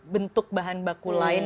bentuk bahan baku lain